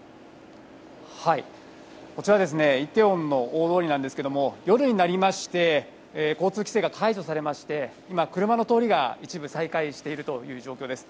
こちら、イテウォンの大通りなんですけども夜になりまして交通規制が解除されまして車の通りが一部、再開している状況です。